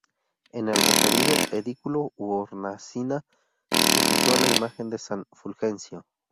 En el referido edículo u hornacina se sitúa la imagen de "San Fulgencio".